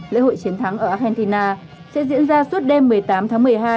lễ hội chiến thắng ở argentina sẽ diễn ra suốt đêm một mươi tám tháng một mươi hai